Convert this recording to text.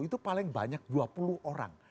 itu paling banyak dua puluh orang